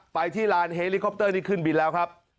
ไปที่ลานเฮลิคอปเตอร์นี้ขึ้นบินแล้วครับ